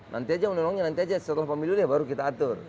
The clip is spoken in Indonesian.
nanti saja undang undangnya nanti saja setelah pemilu baru kita atur